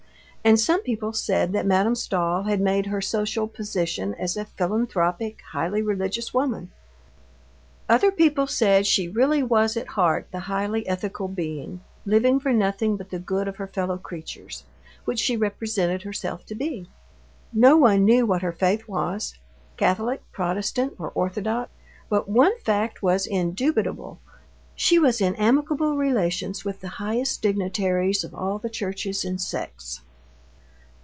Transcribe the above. And some people said that Madame Stahl had made her social position as a philanthropic, highly religious woman; other people said she really was at heart the highly ethical being, living for nothing but the good of her fellow creatures, which she represented herself to be. No one knew what her faith was—Catholic, Protestant, or Orthodox. But one fact was indubitable—she was in amicable relations with the highest dignitaries of all the churches and sects.